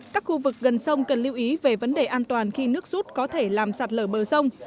các khu vực gần sông cần lưu ý về vấn đề an toàn khi nước rút có thể làm sạt lở bờ sông